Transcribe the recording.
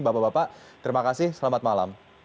bapak bapak terima kasih selamat malam